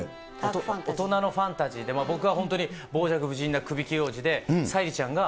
大人のファンタジーで、僕が本当に傍若無人な首切り王子で沙莉ちゃんが。